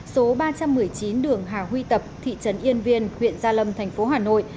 số ba trăm một mươi chín đường hà huy tập thị trấn yên viên huyện gia lâm thành phố hà nội